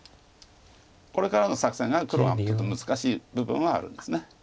これからの作戦が黒がちょっと難しい部分はあるんです。